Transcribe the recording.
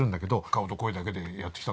「顔と声だけでやってきたんだから」